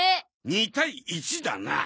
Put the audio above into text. ２対１だな。